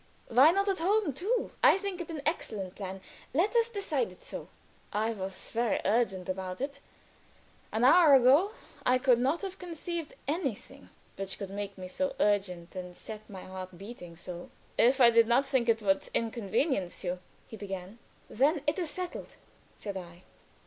"Why not at home too? I think it an excellent plan. Let us decide it so." I was very urgent about it. An hour ago I could not have conceived anything which could make me so urgent and set my heart beating so. "If I did not think it would inconvenience you," he began. "Then it is settled?" said I.